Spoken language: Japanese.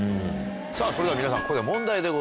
さぁそれでは皆さんここで。